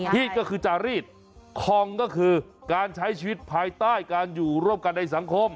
ก็คือจารีดคองก็คือการใช้ชีวิตภายใต้การอยู่ร่วมกันในสังคม